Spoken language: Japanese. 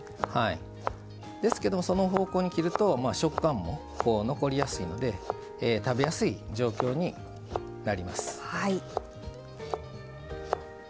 ですけど、その方向に切ると食感も残りやすいので、食べやすい状況になります。